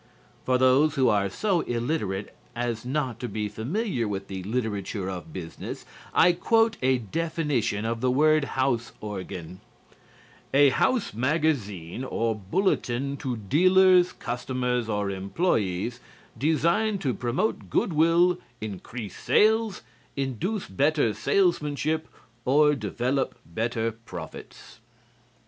For those who are so illiterate as not to be familiar with the literature of business, I quote a definition of the word "house organ": "A house magazine or bulletin to dealers, customers or employees, designed to promote goodwill, increase sales, induce better salesmanship or develop better profits."